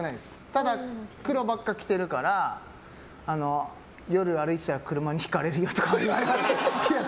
ただ、黒ばっか着てるから夜歩いてたら車にひかれるよとかは言われますけど。